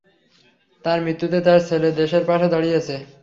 আর তার মৃত্যুতে তার ছেলে দেশের পাশে দাঁড়িয়েছে।